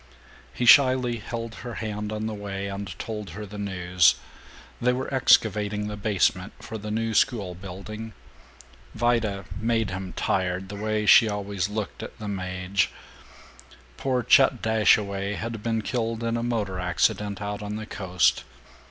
He shyly held her hand on the way, and told her the news: they were excavating the basement for the new schoolbuilding, Vida "made him tired the way she always looked at the Maje," poor Chet Dashaway had been killed in a motor accident out on the Coast.